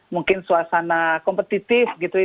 mungkin suasana kompetitif gitu ya